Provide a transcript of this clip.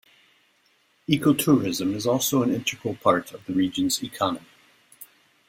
Ecotourism is also an integral part of the region's economy.